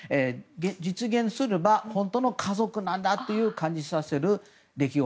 実現すれば本当の家族なんだと感じさせる出来事。